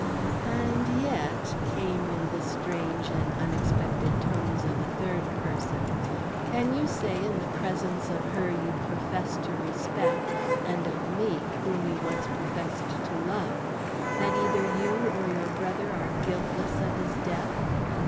"And yet," came in the strange and unexpected tones of a third person, "can you say, in the presence of her you profess to respect and of me whom you once professed to love, that either you or your brother are guiltless of his death?"